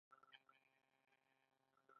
بدل اخیستل د پښتونولۍ یو اصل دی.